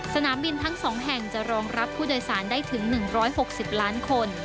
สนามบินทั้ง๒แห่งจะรองรับผู้โดยสารได้ถึง๑๖๐ล้านคน